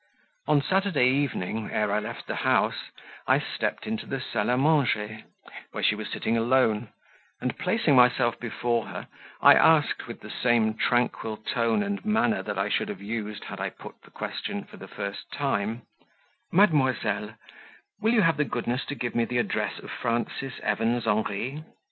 On Saturday evening, ere I left the house, I stept into the SALLE A MANGER, where she was sitting alone, and, placing myself before her, I asked, with the same tranquil tone and manner that I should have used had I put the question for the first time "Mademoiselle, will you have the goodness to give me the address of Frances Evans Henri?"